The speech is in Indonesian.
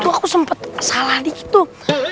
aku sempet salah dikit tuh